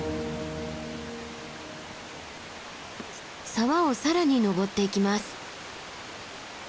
沢を更に登っていきます。